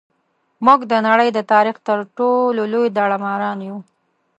موږ د نړۍ د تاریخ تر ټولو لوی داړه ماران یو.